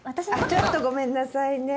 ちょっとごめんなさいね。